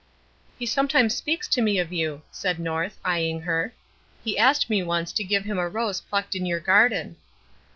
"He sometimes speaks to me of you," said North, eyeing her. "He asked me once to give him a rose plucked in your garden."